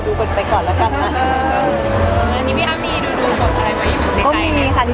หรือว่าจะแสดงพลังอะไรแบบนี้